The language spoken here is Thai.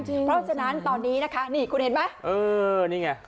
เพราะฉะนั้นตอนนี้คุณเห็นมั้ย